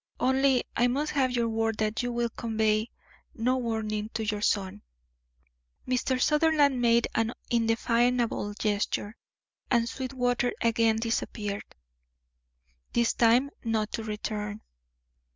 Only I must have your word that you will convey no warning to your son." Mr. Sutherland made an indefinable gesture, and Sweetwater again disappeared, this time not to return.